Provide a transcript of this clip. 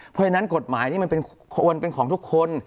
เพราะฉะนั้นกฎหมายนี้มันควรเป็นของทุกคน